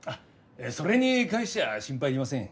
それに関しては心配要りません。